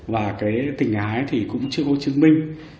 và cái tình ái thì cũng chưa có chứng minh